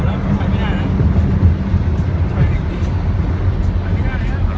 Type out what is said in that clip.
มองไปดีกว่า